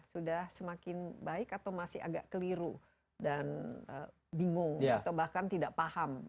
sudah semakin baik atau masih agak keliru dan bingung atau bahkan tidak paham